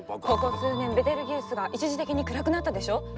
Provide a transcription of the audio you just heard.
ここ数年ベテルギウスが一時的に暗くなったでしょ？